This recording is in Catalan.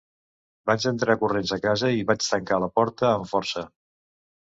Vaig entrar corrents a casa i vaig tancar la porta amb força.